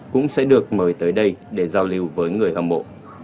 cũng sẽ được mời tới đây để giao lưu với người hâm mộ